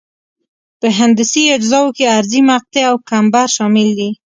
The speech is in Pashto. په هندسي اجزاوو کې عرضي مقطع او کمبر شامل دي